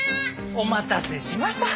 お待たせしました。